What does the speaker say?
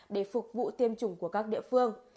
để phục vụ tiêm chủng của các địa phương